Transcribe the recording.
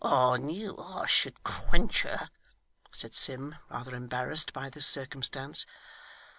'I knew I should quench her,' said Sim, rather embarrassed by this circumstance.